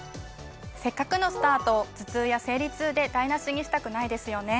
せっかくのスタートを頭痛や生理痛で台無しにしたくないですよね。